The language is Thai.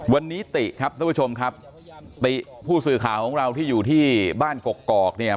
วันนี้ติครับท่านผู้ชมครับติผู้สื่อข่าวของเราที่อยู่ที่บ้านกกอกเนี่ย